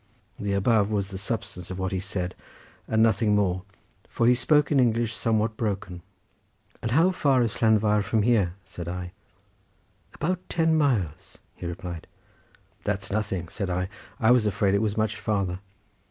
The above was the substance of what he said, and nothing more, for he spoke in English somewhat broken. "And how far is Llanfair from here?" said I. "About ten miles," he replied. "That's nothing," said I; "I was afraid it was much farther."